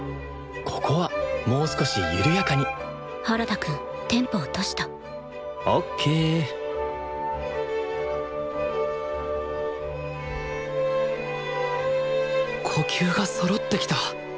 ここはもう少しゆるやかに原田くんテンポ落としたＯＫ呼吸がそろってきた。